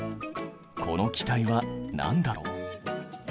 この気体は何だろう？